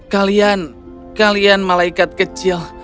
kalian kalian malaikat kecil